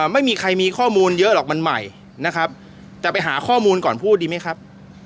ไม่มีใครมีข้อมูลเยอะหรอกมันใหม่นะครับแต่ไปหาข้อมูลก่อนพูดดีไหมครับ